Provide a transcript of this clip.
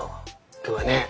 今日はね